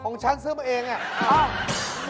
ของชั้นซึ้มเองน่ะ